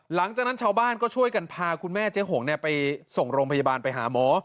หลังจากนั้นชาวบ้านก็ช่วยกันพาคุณแม่เจ๊หงไปส่งโรงพยาบาลไปหาหมอ